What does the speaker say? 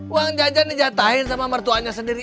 uang jajan dijatahin sama mertuanya sendiri